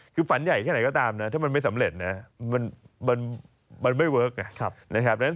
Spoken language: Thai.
คือฝันใหญ่แค่ไหนก็ตามนะถ้ามันไม่สำเร็จนะมันไม่เวิร์คไงนะครับ